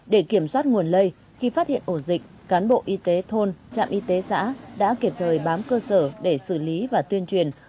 để kiểm soát nguồn lây khi phát hiện ổ dịch cán bộ y tế thôn trạm y tế xã đã kịp thời bám cơ sở để xử lý và tuyên truyền